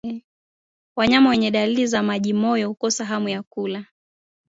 Wanyama wenye dalili za majimoyo hukosa hamu ya kula